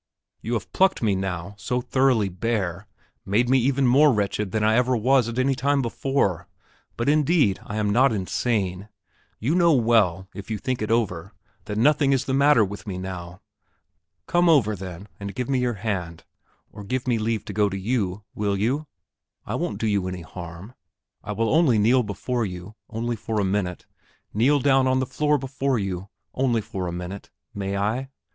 You have plucked me now so thoroughly bare, made me even more wretched than I ever was at any time before; but, indeed, I am not insane. You know well, if you think it over, that nothing is the matter with me now. Come over, then, and give me your hand or give me leave to go to you, will you? I won't do you any harm; I will only kneel before you, only for a minute kneel down on the floor before you, only for a minute, may I?